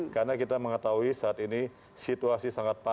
karena kita mengetahui saat ini situasi sangat teruk